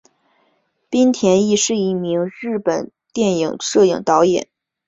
滨田毅是一名日本电影摄影导演。